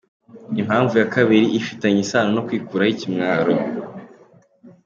Impamvu ya kabiri ifitanye isano no kwikuraho ikimwaro.